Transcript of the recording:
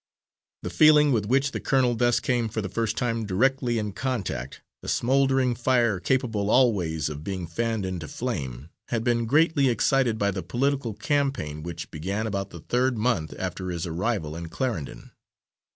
The feeling with which the colonel thus came for the first time directly in contact, a smouldering fire capable always of being fanned into flame, had been greatly excited by the political campaign which began about the third month after his arrival in Clarendon.